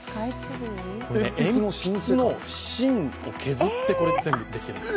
鉛筆の芯を削って全部できているんです。